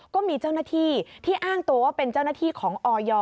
ก็มีเจ้าหน้าที่ที่อ้างตัวว่าเป็นเจ้าหน้าที่ของออย